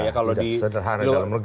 ya tidak sesederhana dalam negeri